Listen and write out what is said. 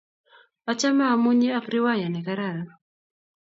achame amunyii ak riwaya nekararan